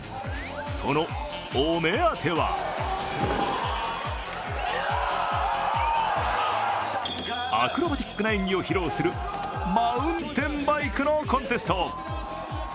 そのお目当てはアクロバティックな演技を披露するマウンテンバイクのコンテスト。